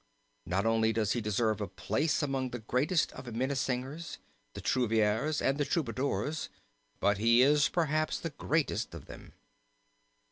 Not only does he deserve a place among the greatest of the Minnesingers, the Trouvères, and the Troubadours, but he is perhaps the greatest of them.